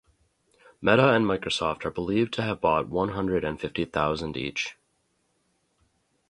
Meta and Microsoft are believed to have bought one hundred and fifty thousand each.